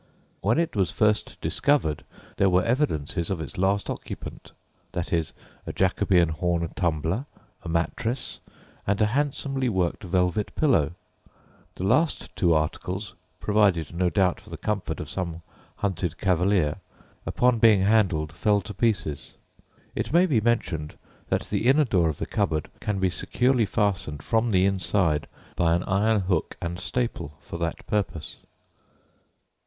When it was first discovered there were evidences of its last occupant viz. a Jacobean horn tumbler, a mattress, and a handsomely worked velvet pillow; the last two articles, provided no doubt for the comfort of some hunted cavalier, upon being handled, fell to pieces. It may be mentioned that the inner door of the cupboard can be securely fastened from the inside by an iron hook and staple for that purpose.